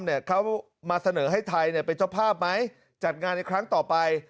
เนี่ยเขามาเสนอให้ไทยเนี่ยเป็นเจ้าภาพไหมจัดงานอีกครั้งต่อไป